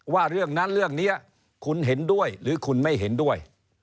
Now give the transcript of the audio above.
ว่าเรื่องนั้นเรื่องนี้คุณเห็นด้วยหรือคุณไม่เห็นด้วย